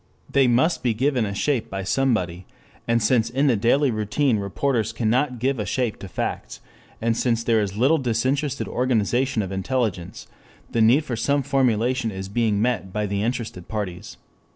They must be given a shape by somebody, and since in the daily routine reporters cannot give a shape to facts, and since there is little disinterested organization of intelligence, the need for some formulation is being met by the interested parties.